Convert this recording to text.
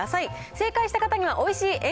正解した方には、おいしい円